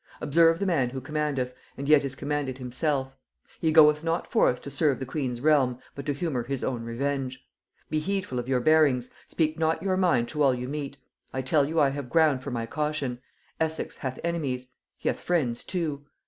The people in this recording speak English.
Observe the man who commandeth, and yet is commanded himself; he goeth not forth to serve the queen's realm, but to humor his own revenge. Be heedful of your bearings, speak not your mind to all you meet. I tell you I have ground for my caution: Essex hath enemies; he hath friends too.